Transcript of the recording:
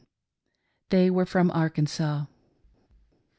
They were frpin Arkansas."